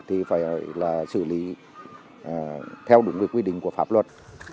thì phải là xử lý theo đúng quy định của pháp luật